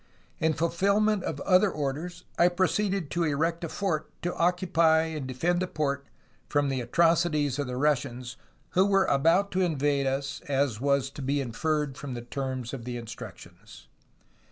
In fulfilment of other orders, I proceeded to erect a fort to occupy and defend the port from the atrocities of the Russians, who were about to invade us, as was to be inferred from the terms of the instructions.